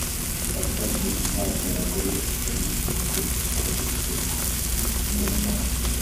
Baghdad muri Irak abagore bagize umutwe w’Abadepite bakomeje kwigaragambya